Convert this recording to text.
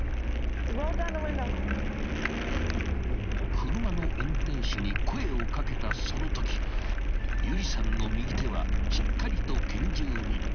［車の運転手に声を掛けたそのとき有理さんの右手はしっかりと拳銃に］